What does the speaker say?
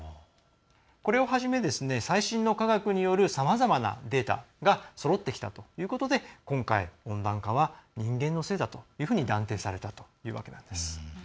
これをはじめ最新の科学によるさまざまなデータがそろってきたということで今回、温暖化は人間のせいだというふうに断定されたわけなんです。